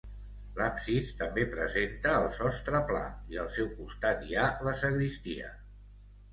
L'absis també presenta el sostre pla i al seu costat hi ha la sagristia.